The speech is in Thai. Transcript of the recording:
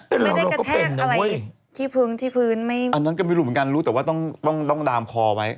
แต่เราก็เป็นนะเว้ยอันนั้นก็ไม่รู้เหมือนกันรู้แต่ว่าต้องดามคอไว้